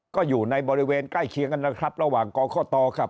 ก็อยู่ในบริเวณใกล้เคียงกันนะครับระหว่างกรกตกับ